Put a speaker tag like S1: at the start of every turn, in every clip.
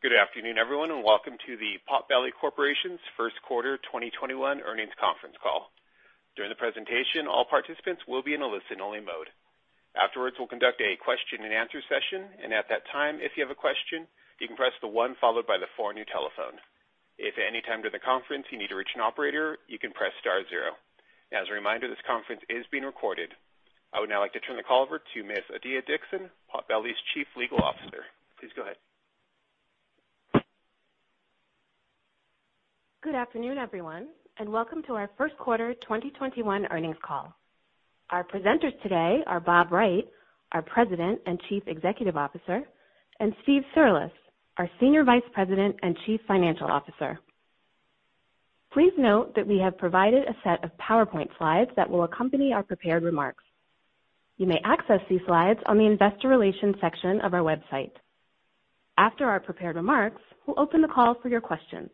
S1: Good afternoon, everyone, and welcome to the Potbelly Corporation's first quarter 2021 earnings conference call. During the presentation, all participants will be in a listen-only mode. Afterwards, we'll conduct a question and answer session, and at that time, if you have a question, you can press the one followed by the four on your telephone. If at any time during the conference you need to reach an operator, you can press star zero. As a reminder, this conference is being recorded. I would now like to turn the call over to Ms. Adiya Dixon, Potbelly's Chief Legal Officer. Please go ahead.
S2: Good afternoon, everyone. Welcome to our first quarter 2021 earnings call. Our presenters today are Bob Wright, our President and Chief Executive Officer, and Steven Cirulis, our Senior Vice President and Chief Financial Officer. Please note that we have provided a set of PowerPoint slides that will accompany our prepared remarks. You may access these slides on the investor relations section of our website. After our prepared remarks, we'll open the call for your questions.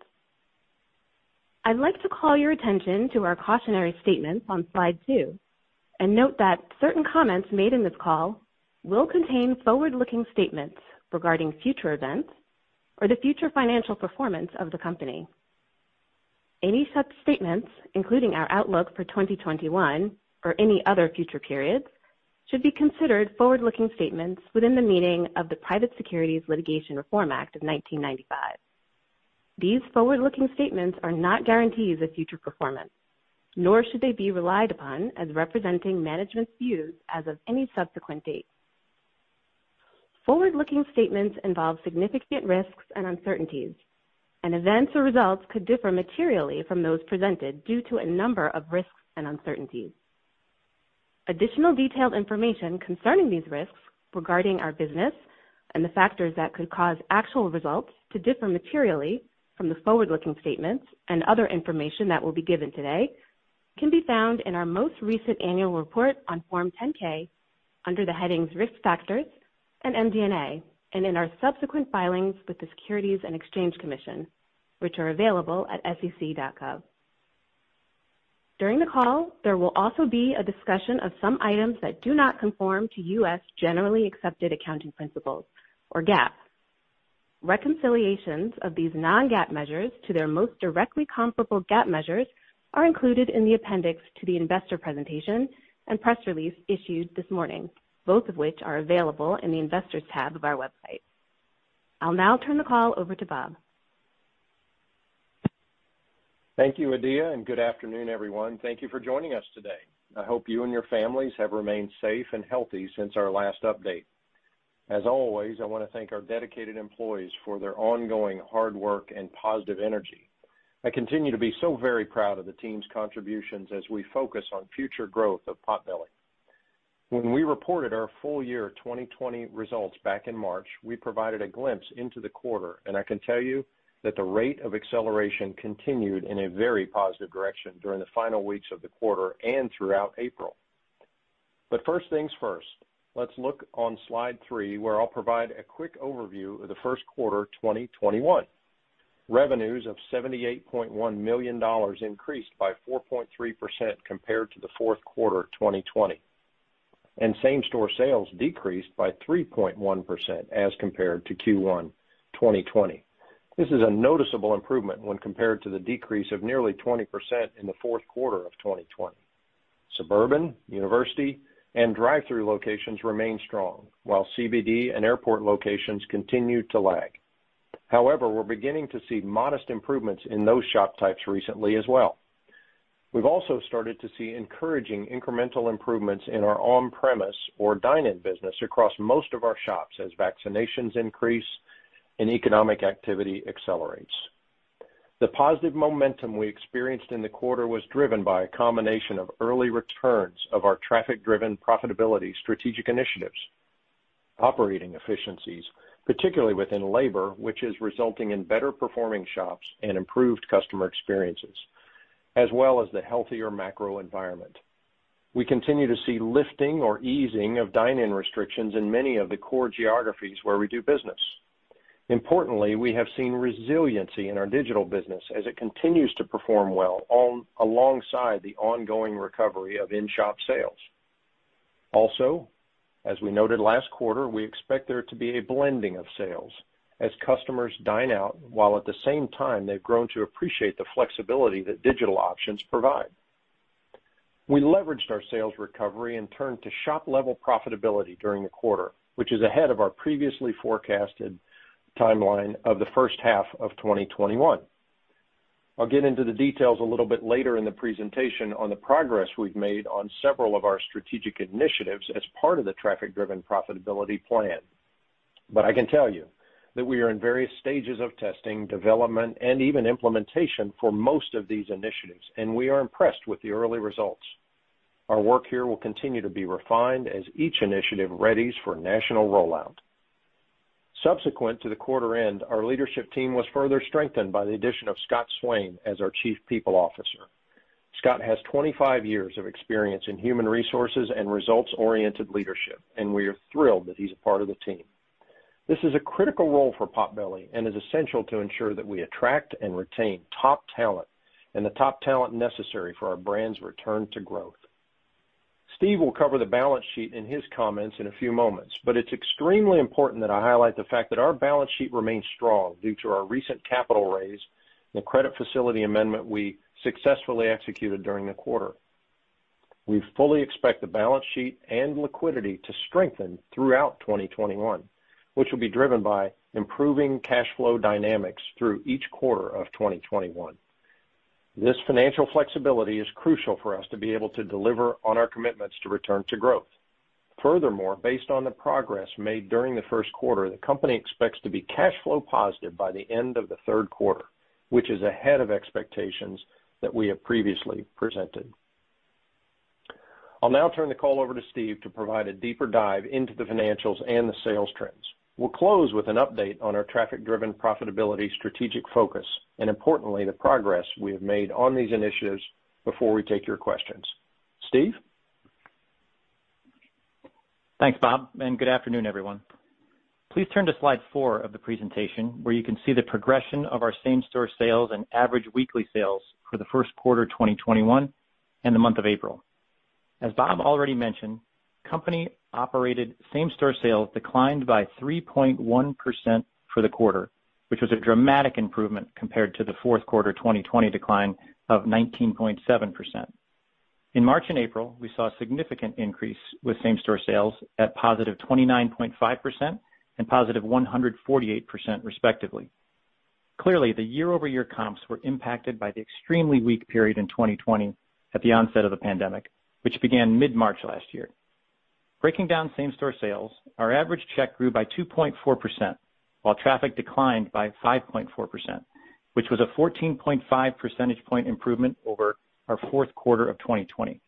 S2: I'd like to call your attention to our cautionary statements on slide two and note that certain comments made in this call will contain forward-looking statements regarding future events or the future financial performance of the company. Any such statements, including our outlook for 2021 or any other future periods, should be considered forward-looking statements within the meaning of the Private Securities Litigation Reform Act of 1995. These forward-looking statements are not guarantees of future performance, nor should they be relied upon as representing management's views as of any subsequent date. Forward-looking statements involve significant risks and uncertainties. Events or results could differ materially from those presented due to a number of risks and uncertainties. Additional detailed information concerning these risks regarding our business and the factors that could cause actual results to differ materially from the forward-looking statements and other information that will be given today can be found in our most recent annual report on Form 10-K under the headings Risk Factors and MD&A. In our subsequent filings with the Securities and Exchange Commission, which are available at sec.gov. During the call, there will also be a discussion of some items that do not conform to U.S. generally accepted accounting principles, or GAAP. Reconciliations of these non-GAAP measures to their most directly comparable GAAP measures are included in the appendix to the investor presentation and press release issued this morning, both of which are available in the Investors tab of our website. I'll now turn the call over to Bob.
S3: Thank you, Adiya, good afternoon, everyone. Thank you for joining us today. I hope you and your families have remained safe and healthy since our last update. As always, I want to thank our dedicated employees for their ongoing hard work and positive energy. I continue to be so very proud of the team's contributions as we focus on future growth of Potbelly. When we reported our full year 2020 results back in March, we provided a glimpse into the quarter, and I can tell you that the rate of acceleration continued in a very positive direction during the final weeks of the quarter and throughout April. First things first. Let's look on slide three, where I'll provide a quick overview of the Q1 2021. Revenues of $78.1 million increased by 4.3% compared to the Q4 2020. Same-store sales decreased by 3.1% as compared to Q1 2020. This is a noticeable improvement when compared to the decrease of nearly 20% in the fourth quarter of 2020. Suburban, university, and drive-thru locations remain strong, while CBD and airport locations continue to lag. However, we're beginning to see modest improvements in those shop types recently as well. We've also started to see encouraging incremental improvements in our on-premise or dine-in business across most of our shops as vaccinations increase and economic activity accelerates. The positive momentum we experienced in the quarter was driven by a combination of early returns of our traffic-driven profitability strategic initiatives, operating efficiencies, particularly within labor, which is resulting in better performing shops and improved customer experiences, as well as the healthier macro environment. We continue to see lifting or easing of dine-in restrictions in many of the core geographies where we do business. Importantly, we have seen resiliency in our digital business as it continues to perform well alongside the ongoing recovery of in-shop sales. Also, as we noted last quarter, we expect there to be a blending of sales as customers dine out, while at the same time they've grown to appreciate the flexibility that digital options provide. We leveraged our sales recovery and turned to shop-level profitability during the quarter, which is ahead of our previously forecasted timeline of the first half of 2021. I'll get into the details a little bit later in the presentation on the progress we've made on several of our strategic initiatives as part of the Traffic-Driven Profitability Plan. I can tell you that we are in various stages of testing, development, and even implementation for most of these initiatives, and we are impressed with the early results. Our work here will continue to be refined as each initiative readies for national rollout. Subsequent to the quarter end, our leadership team was further strengthened by the addition of Scott Swain as our Chief People Officer. Scott has 25 years of experience in human resources and results-oriented leadership. We are thrilled that he's a part of the team. This is a critical role for Potbelly and is essential to ensure that we attract and retain top talent and the top talent necessary for our brand's return to growth. Steve will cover the balance sheet in his comments in a few moments. It's extremely important that I highlight the fact that our balance sheet remains strong due to our recent capital raise and the credit facility amendment we successfully executed during the quarter. We fully expect the balance sheet and liquidity to strengthen throughout 2021, which will be driven by improving cash flow dynamics through each quarter of 2021. This financial flexibility is crucial for us to be able to deliver on our commitments to return to growth. Based on the progress made during the first quarter, the company expects to be cash flow positive by the end of the third quarter, which is ahead of expectations that we have previously presented. I'll now turn the call over to Steve to provide a deeper dive into the financials and the sales trends. We'll close with an update on our traffic-driven profitability strategic focus and importantly, the progress we have made on these initiatives before we take your questions. Steve?
S4: Thanks, Bob. Good afternoon, everyone. Please turn to slide four of the presentation where you can see the progression of our same-store sales and average weekly sales for the first quarter 2021 and the month of April. As Bob already mentioned, company operated same-store sales declined by 3.1% for the quarter, which was a dramatic improvement compared to the fourth quarter 2020 decline of 19.7%. In March and April, we saw a significant increase with same-store sales at positive 29.5% and positive 148% respectively. Clearly, the year-over-year comps were impacted by the extremely weak period in 2020 at the onset of the pandemic, which began mid-March last year. Breaking down same-store sales, our average check grew by 2.4%, while traffic declined by 5.4%, which was a 14.5 percentage point improvement over our fourth quarter of 2020.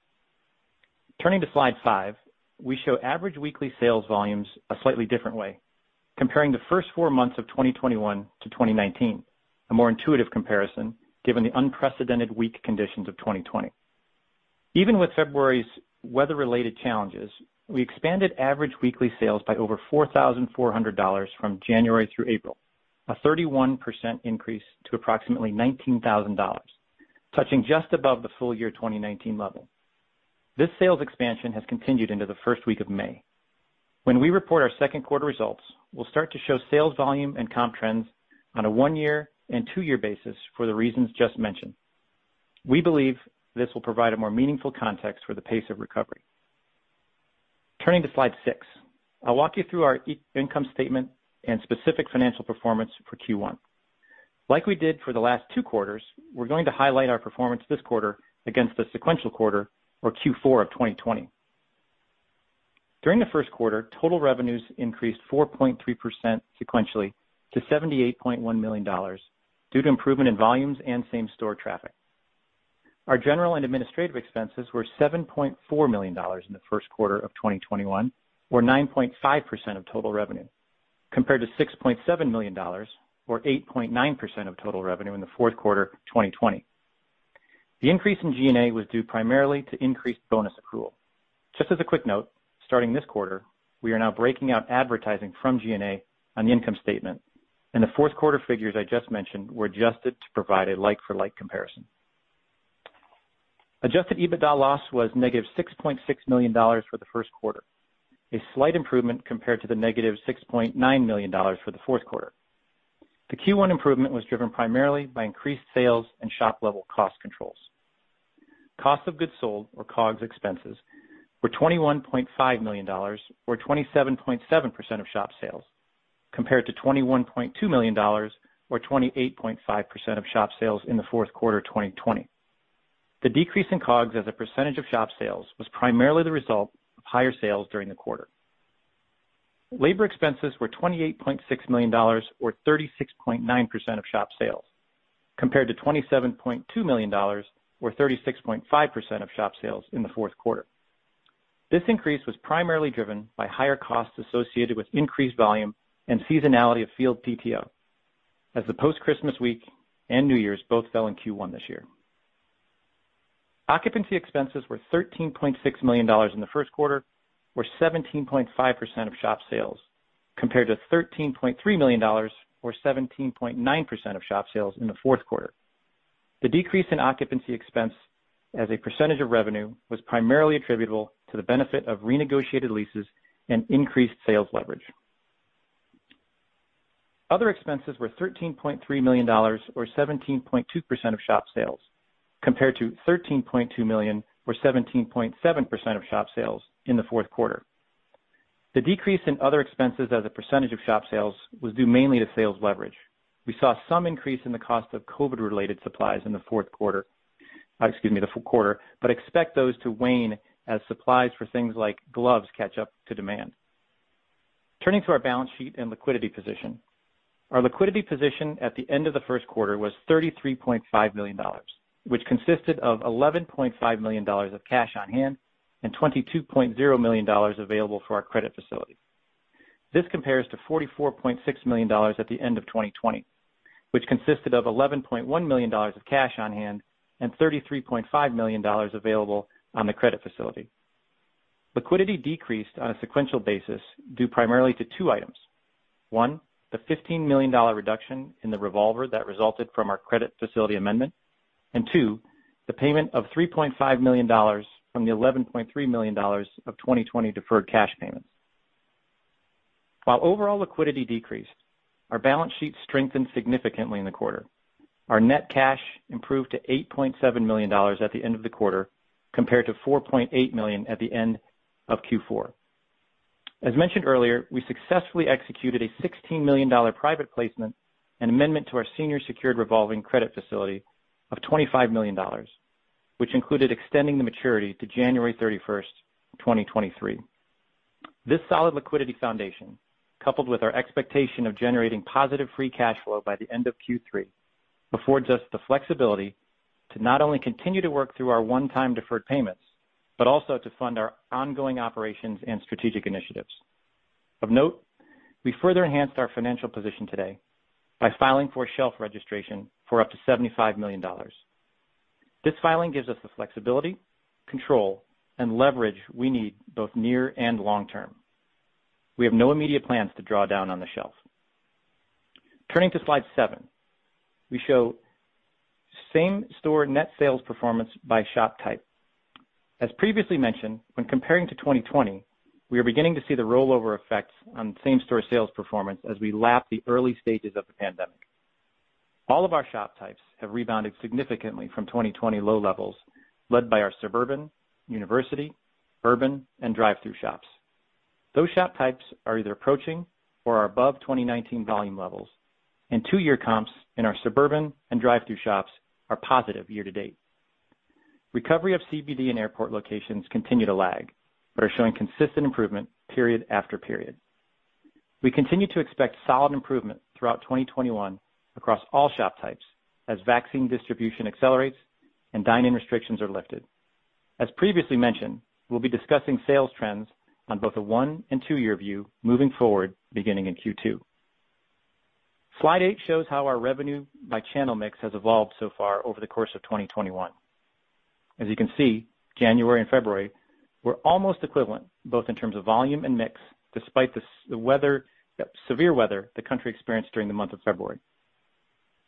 S4: Turning to slide five, we show average weekly sales volumes a slightly different way. Comparing the first four months of 2021 to 2019, a more intuitive comparison given the unprecedented weak conditions of 2020. Even with February's weather-related challenges, we expanded average weekly sales by over $4,400 from January through April, a 31% increase to approximately $19,000, touching just above the full year 2019 level. This sales expansion has continued into the first week of May. When we report our second quarter results, we'll start to show sales volume and comp trends on a one-year and two-year basis for the reasons just mentioned. We believe this will provide a more meaningful context for the pace of recovery. Turning to slide six, I'll walk you through our income statement and specific financial performance for Q1. Like we did for the last two quarters, we're going to highlight our performance this quarter against the sequential quarter or Q4 of 2020. During the first quarter, total revenues increased 4.3% sequentially to $78.1 million due to improvement in volumes and same-store traffic. Our general and administrative expenses were $7.4 million in the first quarter of 2021, or 9.5% of total revenue, compared to $6.7 million or 8.9% of total revenue in the fourth quarter of 2020. The increase in G&A was due primarily to increased bonus accrual. Just as a quick note, starting this quarter, we are now breaking out advertising from G&A on the income statement, and the fourth quarter figures I just mentioned were adjusted to provide a like-for-like comparison. Adjusted EBITDA loss was negative $6.6 million for the first quarter, a slight improvement compared to the negative $6.9 million for the fourth quarter. The Q1 improvement was driven primarily by increased sales and shop level cost controls. Cost of goods sold, or COGS expenses, were $21.5 million or 27.7% of shop sales, compared to $21.2 million or 28.5% of shop sales in the fourth quarter of 2020. The decrease in COGS as a percentage of shop sales was primarily the result of higher sales during the quarter. Labor expenses were $28.6 million or 36.9% of shop sales, compared to $27.2 million or 36.5% of shop sales in the fourth quarter. This increase was primarily driven by higher costs associated with increased volume and seasonality of field PTO as the post-Christmas week and New Year's both fell in Q1 this year. Occupancy expenses were $13.6 million in the first quarter, or 17.5% of shop sales, compared to $13.3 million or 17.9% of shop sales in the fourth quarter. The decrease in occupancy expense as a percentage of revenue was primarily attributable to the benefit of renegotiated leases and increased sales leverage. Other expenses were $13.3 million or 17.2% of shop sales, compared to $13.2 million or 17.7% of shop sales in the fourth quarter. The decrease in other expenses as a percentage of shop sales was due mainly to sales leverage. We saw some increase in the cost of COVID related supplies in the fourth quarter, excuse me, the full quarter, but expect those to wane as supplies for things like gloves catch up to demand. Turning to our balance sheet and liquidity position. Our liquidity position at the end of the first quarter was $33.5 million, which consisted of $11.5 million of cash on hand and $22.0 million available for our credit facility. This compares to $44.6 million at the end of 2020, which consisted of $11.1 million of cash on hand and $33.5 million available on the credit facility. Liquidity decreased on a sequential basis due primarily to two items. One, the $15 million reduction in the revolver that resulted from our credit facility amendment, and two, the payment of $3.5 million from the $11.3 million of 2020 deferred cash payments. While overall liquidity decreased, our balance sheet strengthened significantly in the quarter. Our net cash improved to $8.7 million at the end of the quarter, compared to $4.8 million at the end of Q4. As mentioned earlier, we successfully executed a $16 million private placement and amendment to our senior secured revolving credit facility of $25 million, which included extending the maturity to January 31st, 2023. This solid liquidity foundation, coupled with our expectation of generating positive free cash flow by the end of Q3, affords us the flexibility to not only continue to work through our one-time deferred payments, but also to fund our ongoing operations and strategic initiatives. Of note, we further enhanced our financial position today by filing for shelf registration for up to $75 million. This filing gives us the flexibility, control, and leverage we need both near and long-term. We have no immediate plans to draw down on the shelf. Turning to slide seven, we show same-store net sales performance by shop type. As previously mentioned, when comparing to 2020, we are beginning to see the rollover effects on same-store sales performance as we lap the early stages of the pandemic. All of our shop types have rebounded significantly from 2020 low levels, led by our suburban, university, urban, and drive-through shops. Those shop types are either approaching or are above 2019 volume levels, and two-year comps in our suburban and drive-through shops are positive year to date. Recovery of CBD and airport locations continue to lag but are showing consistent improvement period after period. We continue to expect solid improvement throughout 2021 across all shop types as vaccine distribution accelerates and dine-in restrictions are lifted. As previously mentioned, we'll be discussing sales trends on both a one and two-year view moving forward, beginning in Q2. Slide eight shows how our revenue by channel mix has evolved so far over the course of 2021. As you can see, January and February were almost equivalent, both in terms of volume and mix, despite the severe weather the country experienced during the month of February.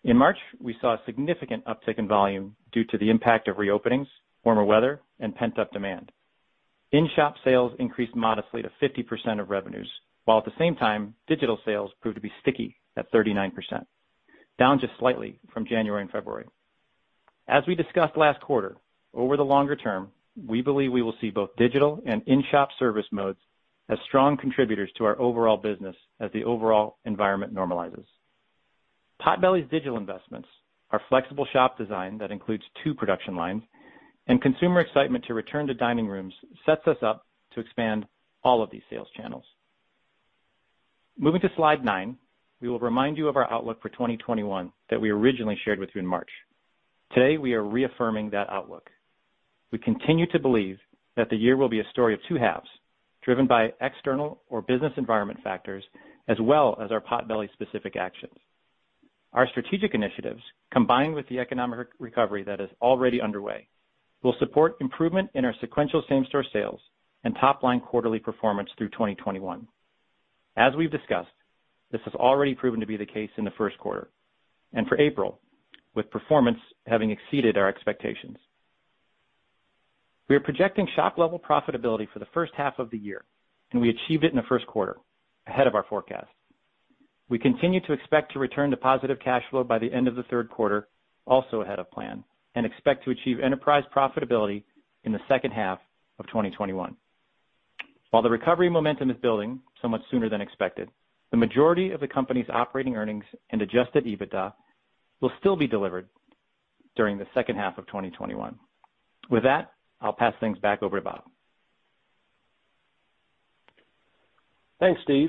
S4: In March, we saw a significant uptick in volume due to the impact of reopenings, warmer weather, and pent-up demand. In-shop sales increased modestly to 50% of revenues, while at the same time, digital sales proved to be sticky at 39%, down just slightly from January and February. As we discussed last quarter, over the longer term, we believe we will see both digital and in-shop service modes as strong contributors to our overall business as the overall environment normalizes. Potbelly's digital investments, our flexible shop design that includes two production lines, and consumer excitement to return to dining rooms sets us up to expand all of these sales channels. Moving to slide nine, we will remind you of our outlook for 2021 that we originally shared with you in March. Today, we are reaffirming that outlook. We continue to believe that the year will be a story of two halves, driven by external or business environment factors, as well as our Potbelly specific actions. Our strategic initiatives, combined with the economic recovery that is already underway, will support improvement in our sequential same-store sales and top-line quarterly performance through 2021. As we've discussed, this has already proven to be the case in the first quarter and for April, with performance having exceeded our expectations. We are projecting shop-level profitability for the first half of the year, and we achieved it in the first quarter, ahead of our forecast. We continue to expect to return to positive cash flow by the end of the third quarter, also ahead of plan, and expect to achieve enterprise profitability in the second half of 2021. While the recovery momentum is building, somewhat sooner than expected, the majority of the company's operating earnings and adjusted EBITDA will still be delivered during the second half of 2021. With that, I'll pass things back over to Bob.
S3: Thanks, Steve.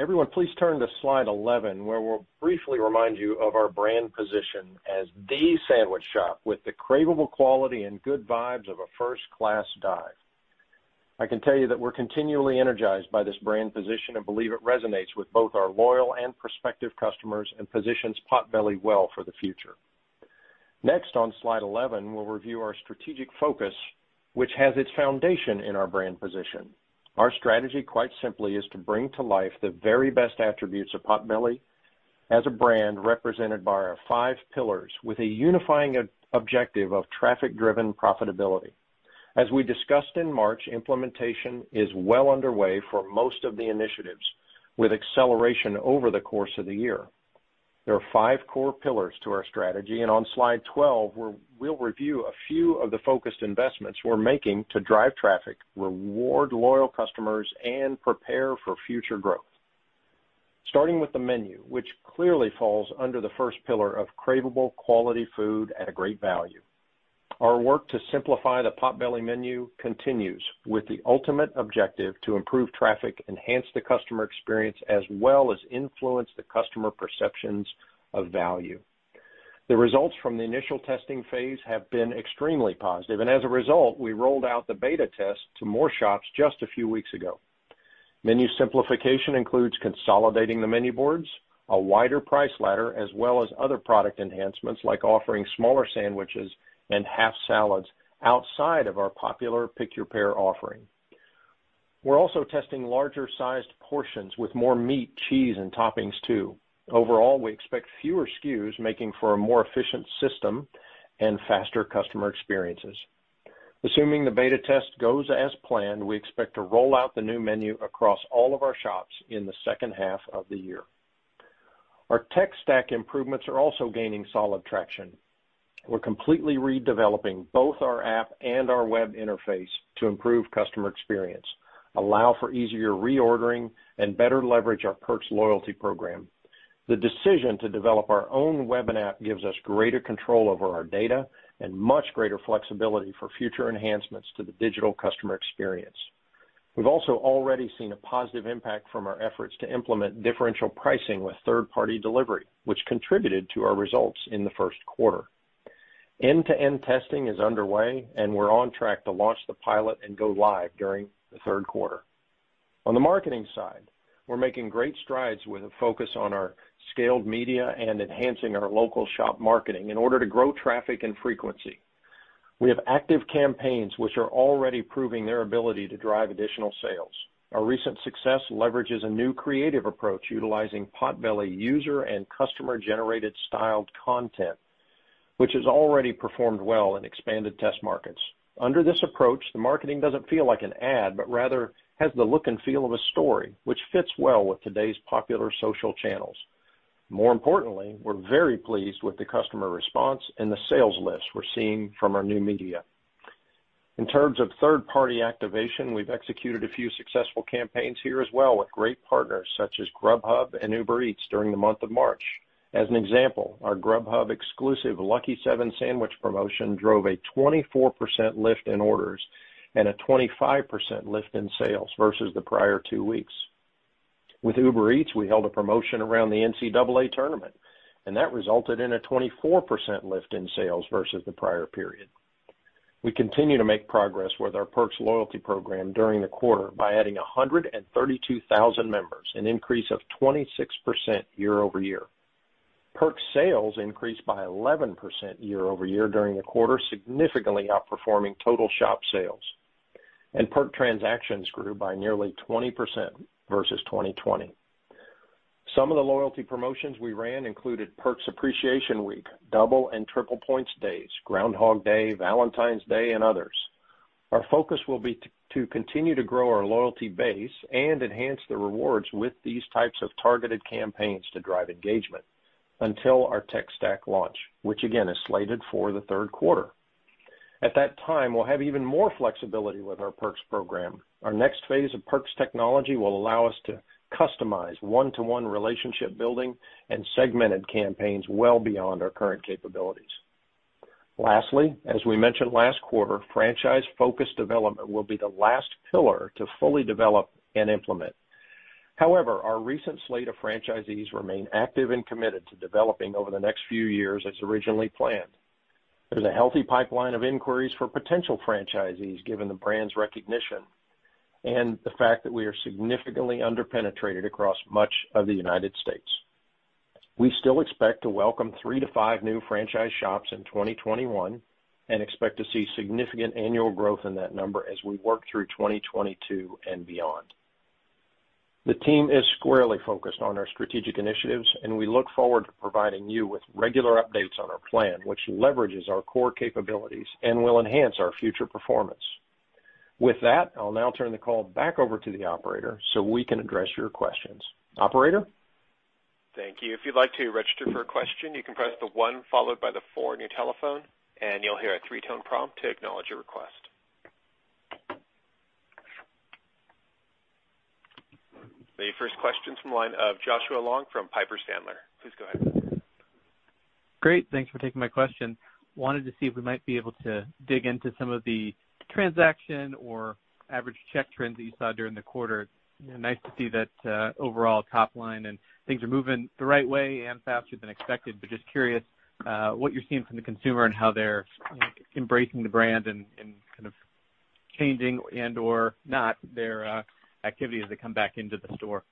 S3: Everyone, please turn to slide 11, where we'll briefly remind you of our brand position as the sandwich shop with the craveable quality and good vibes of a first-class dive. I can tell you that we're continually energized by this brand position and believe it resonates with both our loyal and prospective customers and positions Potbelly well for the future. Next, on slide 11, we'll review our strategic focus, which has its foundation in our brand position. Our strategy, quite simply is to bring to life the very best attributes of Potbelly as a brand represented by our five pillars with a unifying objective of traffic-driven profitability. As we discussed in March, implementation is well underway for most of the initiatives with acceleration over the course of the year. There are five core pillars to our strategy, and on slide 12, we'll review a few of the focused investments we're making to drive traffic, reward loyal customers, and prepare for future growth. Starting with the menu, which clearly falls under the first pillar of craveable quality food at a great value. Our work to simplify the Potbelly menu continues with the ultimate objective to improve traffic, enhance the customer experience, as well as influence the customer perceptions of value. The results from the initial testing phase have been extremely positive, and as a result, we rolled out the beta test to more shops just a few weeks ago. Menu simplification includes consolidating the menu boards, a wider price ladder, as well as other product enhancements like offering smaller sandwiches and half salads outside of our popular Pick-Your-Pair offering. We're also testing larger sized portions with more meat, cheese, and toppings too. Overall, we expect fewer SKUs, making for a more efficient system and faster customer experiences. Assuming the beta test goes as planned, we expect to roll out the new menu across all of our shops in the second half of the year. Our tech stack improvements are also gaining solid traction. We're completely redeveloping both our app and our web interface to improve customer experience, allow for easier reordering, and better leverage our Perks loyalty program. The decision to develop our own web and app gives us greater control over our data and much greater flexibility for future enhancements to the digital customer experience. We've also already seen a positive impact from our efforts to implement differential pricing with third-party delivery, which contributed to our results in the first quarter. End-to-end testing is underway. We're on track to launch the pilot and go live during the third quarter. On the marketing side, we're making great strides with a focus on our scaled media and enhancing our local shop marketing in order to grow traffic and frequency. We have active campaigns which are already proving their ability to drive additional sales. Our recent success leverages a new creative approach utilizing Potbelly user and customer-generated styled content, which has already performed well in expanded test markets. Under this approach, the marketing doesn't feel like an ad. Rather has the look and feel of a story, which fits well with today's popular social channels. More importantly, we're very pleased with the customer response and the sales lifts we're seeing from our new media. In terms of third-party activation, we've executed a few successful campaigns here as well with great partners such as Grubhub and Uber Eats during the month of March. As an example, our Grubhub exclusive Lucky 7s Sandwich promotion drove a 24% lift in orders and a 25% lift in sales versus the prior two weeks. With Uber Eats, we held a promotion around the NCAA tournament, and that resulted in a 24% lift in sales versus the prior period. We continue to make progress with our Perks loyalty program during the quarter by adding 132,000 members, an increase of 26% year-over-year. Perks sales increased by 11% year-over-year during the quarter, significantly outperforming total shop sales. Perk transactions grew by nearly 20% versus 2020. Some of the loyalty promotions we ran included Perks Appreciation Week, Double and Triple Points Days, Groundhog Day, Valentine's Day, and others. Our focus will be to continue to grow our loyalty base and enhance the rewards with these types of targeted campaigns to drive engagement until our tech stack launch, which again, is slated for the third quarter. At that time, we'll have even more flexibility with our Perks program. Our next phase of Perks technology will allow us to customize one-to-one relationship building and segmented campaigns well beyond our current capabilities. As we mentioned last quarter, franchise focus development will be the last pillar to fully develop and implement. Our recent slate of franchisees remain active and committed to developing over the next few years as originally planned. There's a healthy pipeline of inquiries for potential franchisees given the brand's recognition and the fact that we are significantly under-penetrated across much of the U.S. We still expect to welcome three to five new franchise shops in 2021 and expect to see significant annual growth in that number as we work through 2022 and beyond. The team is squarely focused on our strategic initiatives, and we look forward to providing you with regular updates on our plan, which leverages our core capabilities and will enhance our future performance. With that I'll now turn the call back over to the operator so we can address your questions. Operator?
S1: Thank you. If you'd like to register for a question, you can press the one followed by the four on your telephone, and you'll hear a three-tone prompt to acknowledge your request. The first question's from the line of Joshua Long from Piper Sandler. Please go ahead.
S5: Great. Thanks for taking my question. Wanted to see if we might be able to dig into some of the transaction or average check trends that you saw during the quarter. Nice to see that overall top line and things are moving the right way and faster than expected, but just curious what you're seeing from the consumer and how they're embracing the brand and kind of changing and/or not their activities that come back into the store.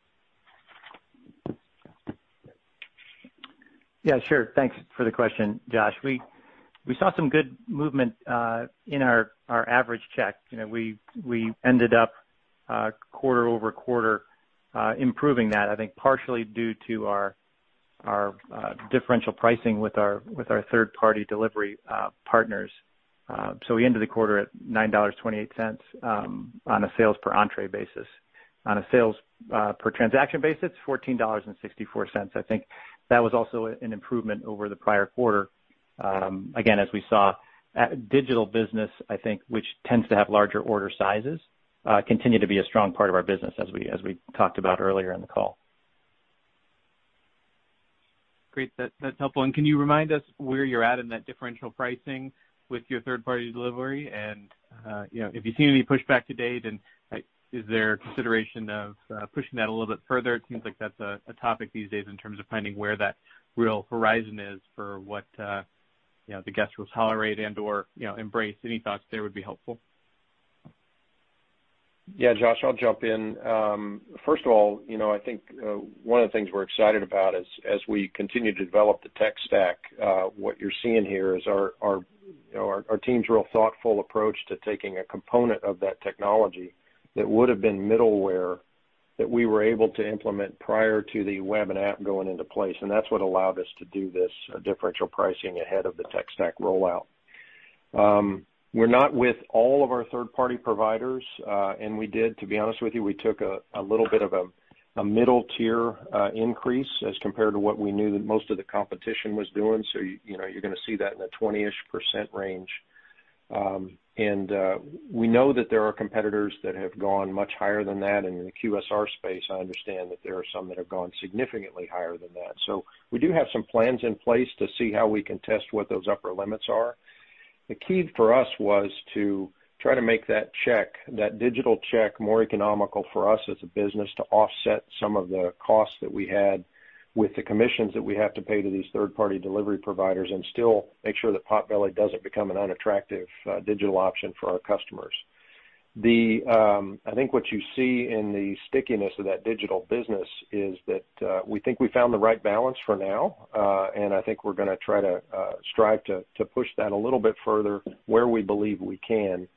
S4: Yeah, sure. Thanks for the question, Josh. We saw some good movement in our average check. We ended up quarter-over-quarter improving that, I think partially due to our differential pricing with our third-party delivery partners. We ended the quarter at $9.28 on a sales per entrée basis. On a sales per transaction basis, $14.64. I think that was also an improvement over the prior quarter. Again, as we saw digital business, I think, which tends to have larger order sizes, continue to be a strong part of our business as we talked about earlier in the call.
S5: Great. That's helpful. Can you remind us where you're at in that differential pricing with your third-party delivery and if you've seen any pushback to date? Is there consideration of pushing that a little bit further? It seems like that's a topic these days in terms of finding where that real horizon is for what the guests will tolerate and/or embrace. Any thoughts there would be helpful.
S3: Yeah, Josh, I'll jump in. First of all, I think one of the things we're excited about is as we continue to develop the tech stack, what you're seeing here is Our team's real thoughtful approach to taking a component of that technology that would have been middleware that we were able to implement prior to the web and app going into place, and that's what allowed us to do this differential pricing ahead of the tech stack rollout. We're not with all of our third-party providers. We did, to be honest with you, we took a little bit of a middle tier increase as compared to what we knew that most of the competition was doing. You're going to see that in the 20-ish % range. We know that there are competitors that have gone much higher than that. In the QSR space, I understand that there are some that have gone significantly higher than that. We do have some plans in place to see how we can test what those upper limits are. The key for us was to try to make that check, that digital check, more economical for us as a business to offset some of the costs that we had with the commissions that we have to pay to these third-party delivery providers and still make sure that Potbelly doesn't become an unattractive digital option for our customers. I think what you see in the stickiness of that digital business is that we think we found the right balance for now. I think we're going to try to strive to push that a little bit further where we believe we can,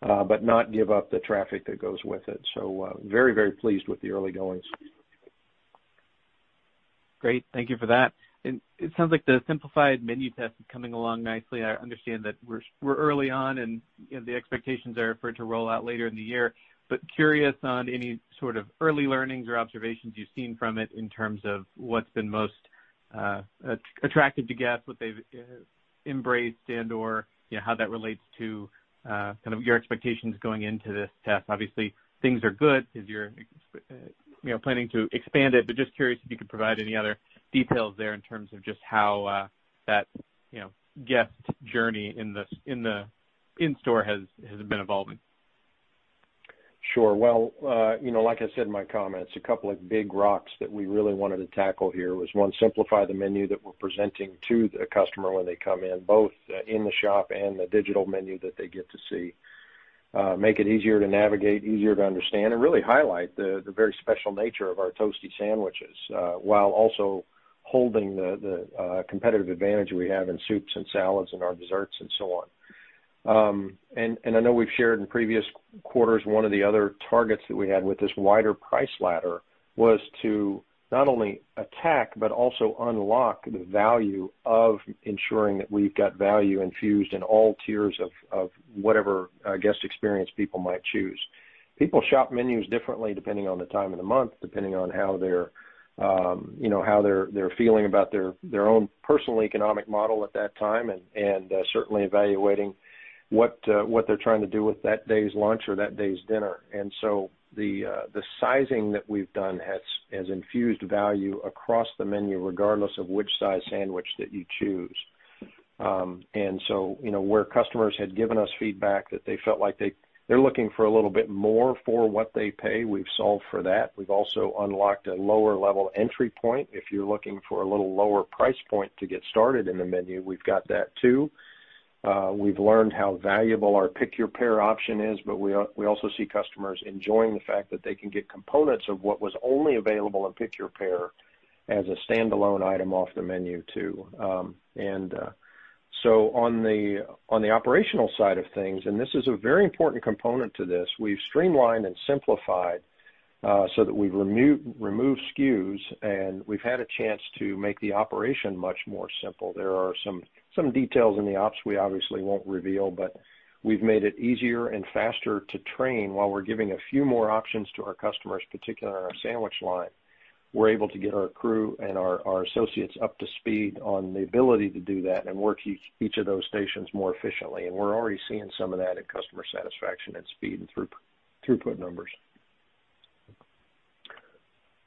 S3: but not give up the traffic that goes with it. Very, very pleased with the early goings.
S5: Great. Thank you for that. It sounds like the simplified menu test is coming along nicely. I understand that we're early on, and the expectations are for it to roll out later in the year. Curious on any sort of early learnings or observations you've seen from it in terms of what's been most attractive to guests, what they've embraced and/or how that relates to kind of your expectations going into this test. Obviously, things are good because you're planning to expand it. Just curious if you could provide any other details there in terms of just how that guest journey in-store has been evolving.
S3: Sure. Well, like I said in my comments, a couple of big rocks that we really wanted to tackle here was, one, simplify the menu that we're presenting to the customer when they come in, both in the shop and the digital menu that they get to see. Make it easier to navigate, easier to understand, really highlight the very special nature of our toasty sandwiches, while also holding the competitive advantage we have in soups and salads and our desserts and so on. I know we've shared in previous quarters, one of the other targets that we had with this wider price ladder was to not only attack but also unlock the value of ensuring that we've got value infused in all tiers of whatever guest experience people might choose. People shop menus differently depending on the time of the month, depending on how they're feeling about their own personal economic model at that time, and certainly evaluating what they're trying to do with that day's lunch or that day's dinner. The sizing that we've done has infused value across the menu, regardless of which size sandwich that you choose. Where customers had given us feedback that they felt like they're looking for a little bit more for what they pay, we've solved for that. We've also unlocked a lower-level entry point. If you're looking for a little lower price point to get started in the menu, we've got that too. We've learned how valuable our Pick-Your-Pair option is, but we also see customers enjoying the fact that they can get components of what was only available in Pick-Your-Pair as a standalone item off the menu too. On the operational side of things, and this is a very important component to this, we've streamlined and simplified so that we've removed SKUs, and we've had a chance to make the operation much more simple. There are some details in the ops we obviously won't reveal, but we've made it easier and faster to train while we're giving a few more options to our customers, particularly on our sandwich line. We're able to get our crew and our associates up to speed on the ability to do that and work each of those stations more efficiently. We're already seeing some of that in customer satisfaction and speed and throughput numbers.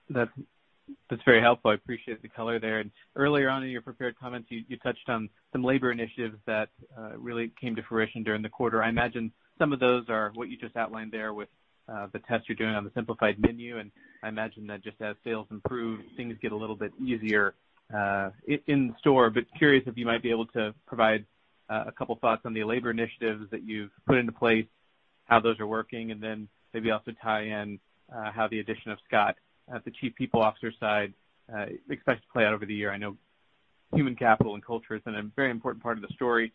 S5: That's very helpful. I appreciate the color there. Earlier on in your prepared comments, you touched on some labor initiatives that really came to fruition during the quarter. I imagine some of those are what you just outlined there with the test you're doing on the simplified menu, and I imagine that just as sales improve, things get a little bit easier in store. Curious if you might be able to provide a couple thoughts on the labor initiatives that you've put into place, how those are working and then maybe also tie in how the addition of Scott at the Chief People Officer side expects to play out over the year. I know human capital and culture is a very important part of the story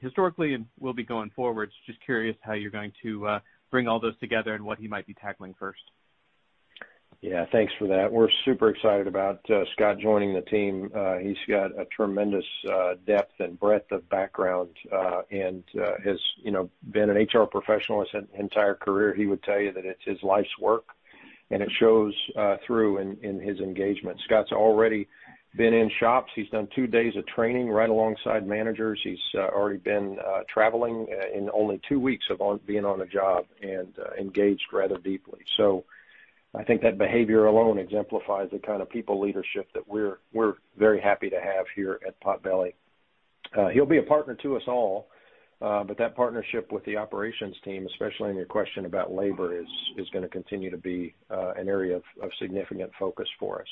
S5: historically and will be going forward. Just curious how you're going to bring all those together and what he might be tackling first.
S3: Yeah, thanks for that. We're super excited about Scott joining the team. He's got a tremendous depth and breadth of background and has been an HR professional his entire career. He would tell you that it's his life's work, and it shows through in his engagement. Scott's already been in shops. He's done two days of training right alongside managers. He's already been traveling in only two weeks of being on the job and engaged rather deeply. I think that behavior alone exemplifies the kind of people leadership that we're very happy to have here at Potbelly. He'll be a partner to us all. That partnership with the operations team, especially on your question about labor, is going to continue to be an area of significant focus for us.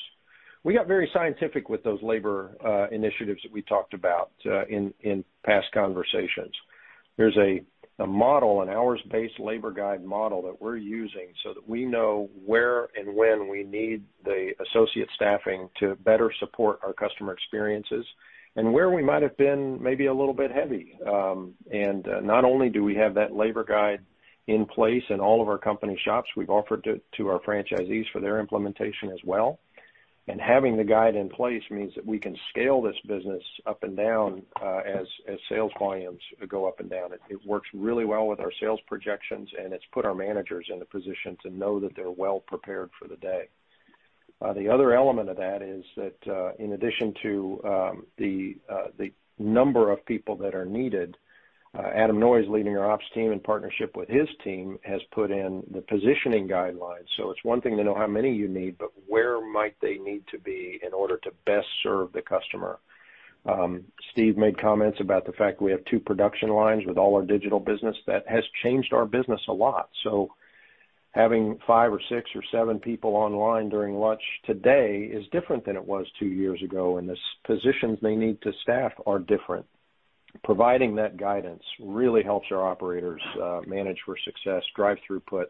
S3: We got very scientific with those labor initiatives that we talked about in past conversations. There's a model, an hours-based labor guide model that we're using so that we know where and when we need the associate staffing to better support our customer experiences and where we might have been maybe a little bit heavy. Not only do we have that labor guide in place in all of our company shops, we've offered it to our franchisees for their implementation as well. Having the guide in place means that we can scale this business up and down as sales volumes go up and down. It works really well with our sales projections, and it's put our managers in the position to know that they're well prepared for the day. The other element of that is that, in addition to the number of people that are needed, Adam Noyes leading our ops team in partnership with his team, has put in the positioning guidelines. It's one thing to know how many you need, but where might they need to be in order to best serve the customer? Steve made comments about the fact we have two production lines with all our digital business. That has changed our business a lot. Having five or six or seven people online during lunch today is different than it was two years ago, and the positions they need to staff are different. Providing that guidance really helps our operators manage for success, drive throughput,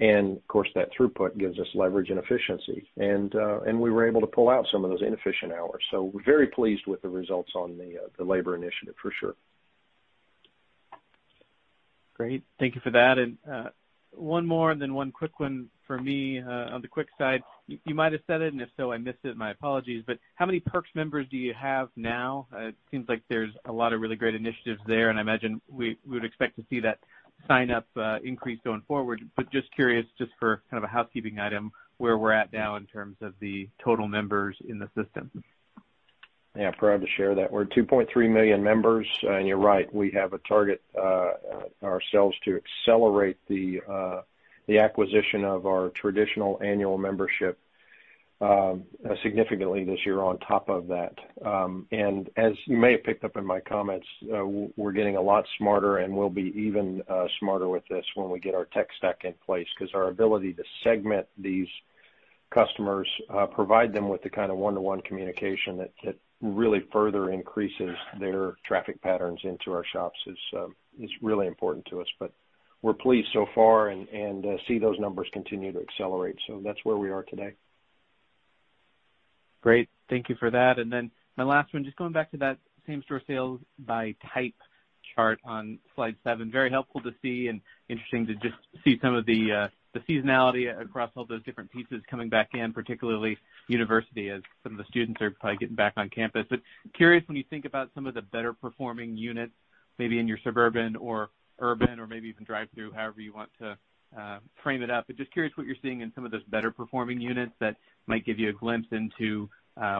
S3: and of course, that throughput gives us leverage and efficiency. We were able to pull out some of those inefficient hours. We're very pleased with the results on the labor initiative for sure.
S5: Great. Thank you for that. One more, and then one quick one for me on the quick side. You might have said it, and if so, I missed it, my apologies, but how many Potbelly Perks members do you have now? It seems like there's a lot of really great initiatives there, and I imagine we would expect to see that sign-up increase going forward. Just curious, just for kind of a housekeeping item, where we're at now in terms of the total members in the system.
S3: Proud to share that. We're at 2.3 million members, and you're right, we have a target ourselves to accelerate the acquisition of our traditional annual membership significantly this year on top of that. As you may have picked up in my comments, we're getting a lot smarter and we'll be even smarter with this when we get our tech stack in place, because our ability to segment these customers, provide them with the kind of one-to-one communication that really further increases their traffic patterns into our shops is really important to us. We're pleased so far and see those numbers continue to accelerate. That's where we are today.
S5: Great. Thank you for that. Then my last one, just going back to that same-store sales by type chart on slide seven. Very helpful to see and interesting to just see some of the seasonality across all those different pieces coming back in, particularly university, as some of the students are probably getting back on campus. Curious, when you think about some of the better performing units, maybe in your suburban or urban or maybe even drive-through, however you want to frame it up, but just curious what you're seeing in some of those better performing units that might give you a glimpse into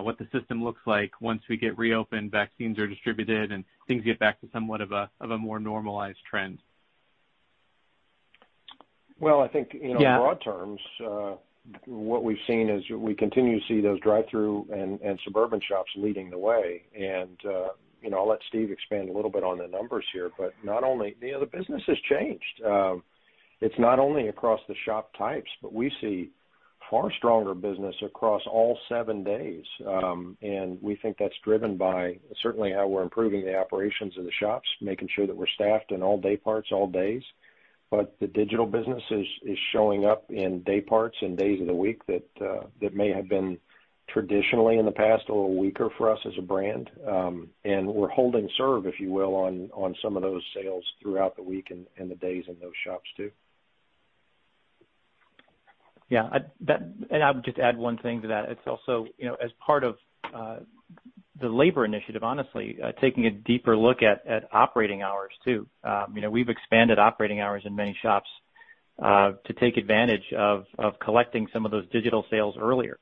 S5: what the system looks like once we get reopened, vaccines are distributed, and things get back to somewhat of a more normalized trend.
S3: Well, I think-
S5: Yeah
S3: in broad terms, what we've seen is we continue to see those drive-through and suburban shops leading the way. I'll let Steve expand a little bit on the numbers here. The business has changed. It's not only across the shop types, but we see far stronger business across all seven days. We think that's driven by certainly how we're improving the operations of the shops, making sure that we're staffed in all day parts all days. The digital business is showing up in day parts and days of the week that may have been traditionally in the past, a little weaker for us as a brand. We're holding serve if you will, on some of those sales throughout the week and the days in those shops too.
S4: Yeah. I would just add one thing to that. It's also as part of the labor initiative, honestly, taking a deeper look at operating hours too. We've expanded operating hours in many shops to take advantage of collecting some of those digital sales earlier.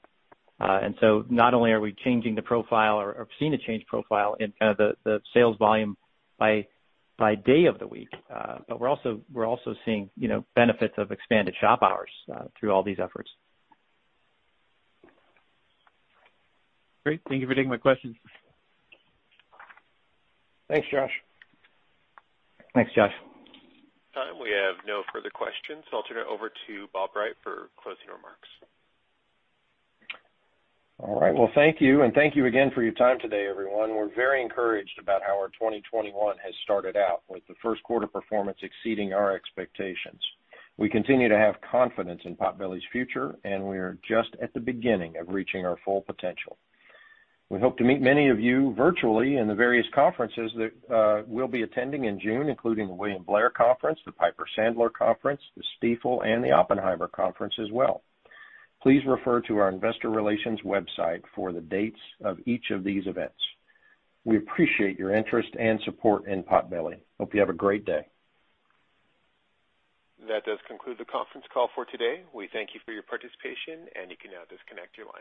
S4: Not only are we changing the profile or seeing a change profile in kind of the sales volume by day of the week, but we're also seeing benefits of expanded shop hours through all these efforts.
S5: Great. Thank you for taking my questions.
S3: Thanks, Josh.
S4: Thanks, Josh.
S1: We have no further questions, so I'll turn it over to Bob Wright for closing remarks.
S3: All right. Well, thank you, and thank you again for your time today, everyone. We're very encouraged about how our 2021 has started out with the first quarter performance exceeding our expectations. We continue to have confidence in Potbelly's future, and we are just at the beginning of reaching our full potential. We hope to meet many of you virtually in the various conferences that we'll be attending in June, including the William Blair conference, the Piper Sandler conference, the Stifel, and the Oppenheimer conference as well. Please refer to our investor relations website for the dates of each of these events. We appreciate your interest and support in Potbelly. Hope you have a great day.
S1: That does conclude the conference call for today. We thank you for your participation, and you can now disconnect your lines.